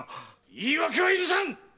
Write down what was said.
言い訳は許さん‼